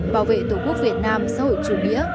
bảo vệ tổ quốc việt nam xã hội chủ nghĩa